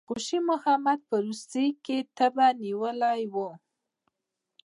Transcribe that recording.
خوشي محمد په روسیې کې تبه نیولی وو.